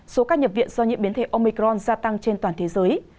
số ca nhập viện do nhiễm biến thể omicron gia tăng trên toàn thế giới